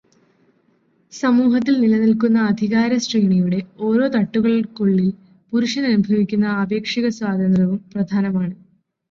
സമൂഹത്തിൽ നിലനിൽക്കുന്ന അധികാരശ്രേണിയുടെ ഓരോ തട്ടുകൾക്കുള്ളിൽ പുരുഷൻ അനുഭവിക്കുന്ന ആപേക്ഷികസ്വാതന്ത്ര്യവും പ്രധാനമാണ്.